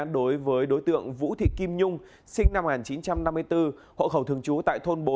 đối với đối tượng vũ thị kim nhung sinh năm một nghìn chín trăm năm mươi bốn hộ khẩu thường trú tại thôn bốn